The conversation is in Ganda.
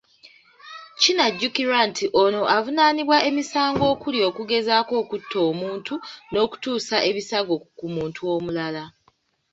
Kinajjukirwa nti ono avunaanibwa emisango okuli; okugezaako okutta omuntu, n'okutuusa ebisago ku muntu omulala.